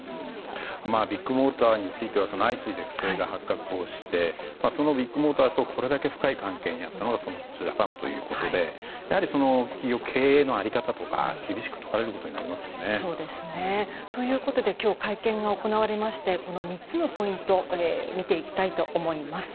ビッグモーターについては相次いで不正が発覚をしてそのビッグモーターとこれだけ深い関係にあったのが損保ジャパンということでやはり企業経営の在り方とか厳しく問われることになりますよね。ということで今日、会見が行われましてこの３つのポイント見ていきたいと思います。